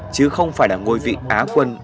chứ không phải là ngôi vị á quân